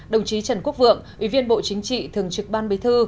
đồng chí trần quốc vượng ủy viên bộ chính trị thường trực ban bế thư